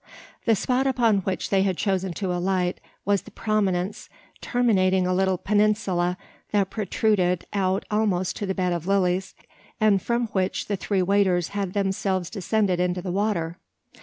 The spot upon which they had chosen to alight was the prominence terminating a little peninsula that protruded out almost to the bed of lilies, and from which the three waders had themselves descended into the water.